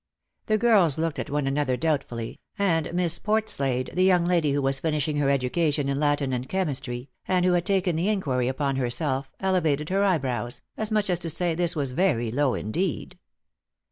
The girls looked at one another doubtfully, and Miss Port ISO Lost for Love. Blade, the young lady who was finishing her education in Latin and chemistry, and who had taken the inquiry upon herself, elevated her eyebrows, as much as to say this was very low indeed.